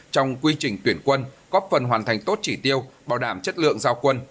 trong quy trình tuyển quân góp phần hoàn thành tốt chỉ tiêu bảo đảm chất lượng giao quân